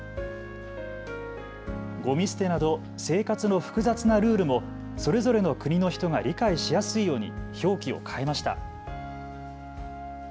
ごみ捨てなど生活の複雑なルールもそれぞれの国の人が理解しやすいように表記を変えました。